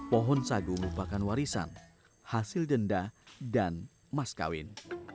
pohon sagu merupakan warisan hasil denda dan mas kawin